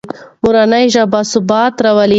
مورنۍ ژبه ثبات راولي.